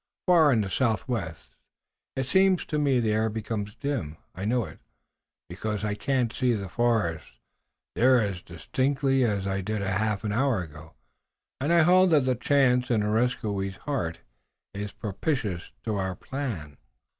Far in the southwest, so it seems to me, the air becomes dim. I know it, because I can't see the forests there as distinctly as I did a half hour ago, and I hold that the change in Areskoui's heart is propitious to our plan."